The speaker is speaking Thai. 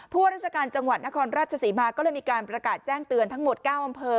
พวกราชการจังหวัดนครราชศรีมาก็เลยมีการประกาศแจ้งเตือนทั้งหมด๙อำเภอ